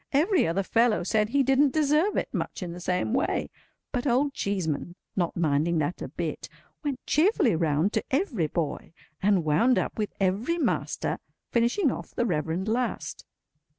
Every other fellow said he didn't deserve it, much in the same way; but Old Cheeseman, not minding that a bit, went cheerfully round to every boy, and wound up with every master—finishing off the Reverend last.